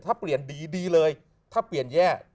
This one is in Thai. ถ้าเปลี่ยนดีดีเลย